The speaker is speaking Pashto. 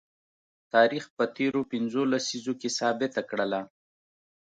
تاریخ په تیرو پنځو لسیزو کې ثابته کړله